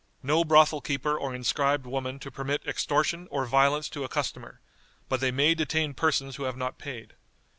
No brothel keeper or inscribed woman to permit extortion or violence to a customer, but they may detain persons who have not paid.